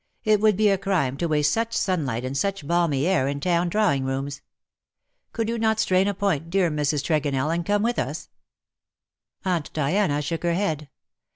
It would be a crime to waste such sunlight and such balmy air in town drawing rooms. Could not you strain a point,, dear Mrs. Tregonell^ and come with us V^ Aunt Diana shook her head.